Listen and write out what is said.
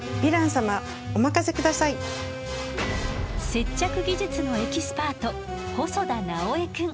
接着技術のエキスパート細田奈麻絵くん。